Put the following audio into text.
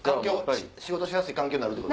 仕事しやすい環境になるんですね。